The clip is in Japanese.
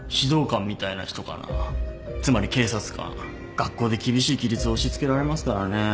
学校で厳しい規律を押し付けられますからね。